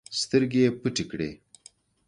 سترګې يې پټې کړې.